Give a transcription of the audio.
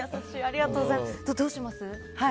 どうします？